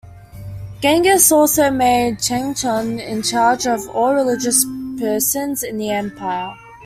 Genghis also made Changchun in charge of all religious persons in the empire.